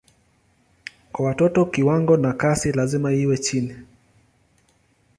Kwa watoto kiwango na kasi lazima iwe chini.